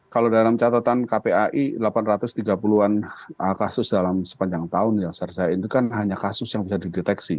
kalau dalam catatan kpai delapan ratus tiga puluh an kasus dalam sepanjang tahun yang selesai itu kan hanya kasus yang bisa dideteksi